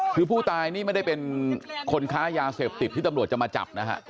คือผู้ตายนี่ไม่ได้เป็นคนค้ายาเสพติดที่ตำรวจจะมาจับนะฮะ